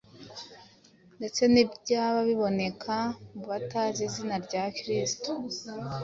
ndetse n’ibyaba biboneka mu batazi izina rya Kristo,